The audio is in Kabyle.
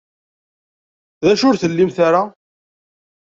D acu ur tlimt ara?